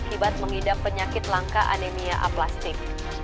akibat mengidap penyakit langka anemia aplastik